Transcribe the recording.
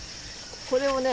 これをね